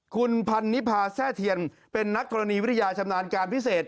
คุณพันนิพาแซ่เทียนเป็นนักธรณีวิทยาชำนาญการพิเศษ